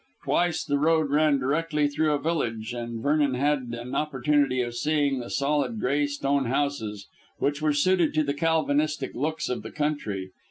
Twice the road ran directly through a village, and Vernon had an opportunity of seeing the solid grey stone houses, which were suited to the Calvinistic looks of the country.